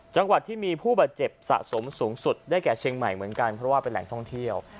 จังหวัดที่มีผู้บาดเจ็บสะสมสูงสุดได้แก่เชียงใหม่เหมือนกันเพราะว่าเป็นแหล่งท่องเที่ยว